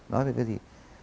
nói về cái gì